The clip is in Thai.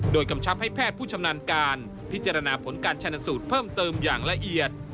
โดยกำชับให้แพทย์ผู้ชำนาญการพิจารณาผลการชนสูตรเพิ่มเติมอย่างละเอียด